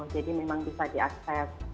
jadi memang bisa diakses